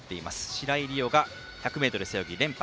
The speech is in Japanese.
白井璃緒が１００背泳ぎ、連覇。